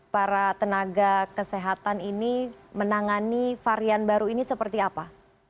para tenaga kesehatan ini menangani varian baru ini seperti apa